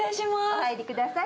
お入りください。